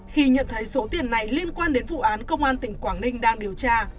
khi nhận thấy số tiền này liên quan đến vụ án công an tỉnh quảng ninh đang điều tra